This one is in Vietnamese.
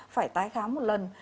phải tái khám một lần